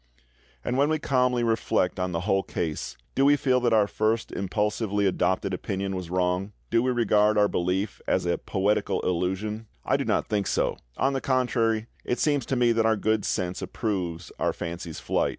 And when we calmly reflect on the whole case, do we feel that our first impulsively adopted opinion was wrong? Do we regard our belief as a poetical illusion? I do not think so; on the contrary, it seems to me that our good sense approves our fancy's flight.